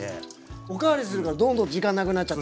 お代わりするからどんどん時間なくなっちゃって。